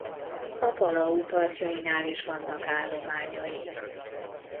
A Palau partjainál is vannak állományai.